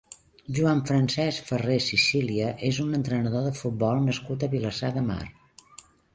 Joan Francesc Ferrer Sicilia és un entrenador de futbol nascut a Vilassar de Mar.